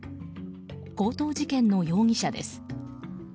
強盗事件の容疑者です。